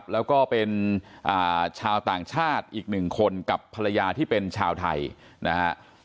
แล้วก็เป็นชาวต่างชาติอีกหนึ่งคนกับภรรยาที่เป็นชาวไทยนะฮะ